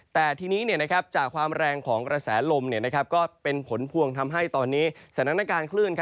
แต่ทีนี้จากความแรงของกระแสลมก็เป็นผลพวงทำให้ตอนนี้สถานการณ์คลื่น